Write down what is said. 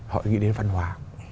họ nghĩ đến văn hóa